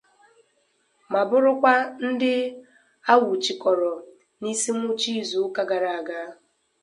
ma bụrụkwa ndị a nwụchikọrọ n'isi nwụcha izu ụka gara aga